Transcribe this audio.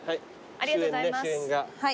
ありがとうございます。